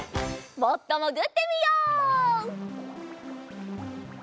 もっともぐってみよう。